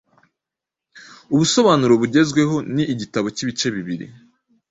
Ubusobanuro bugezweho ni igitabo cyibice bibiri